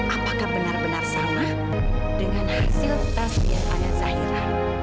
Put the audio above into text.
apakah benar benar sama dengan hasil tes yang ada zahira